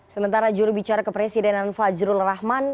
sementara jurubicara kepresidenan fajrul rahman